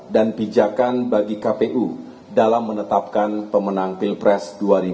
dan bijakan bagi kpu dalam menetapkan pemenang pilpres dua ribu dua puluh empat